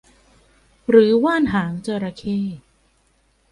หรือว่านหางจระเข้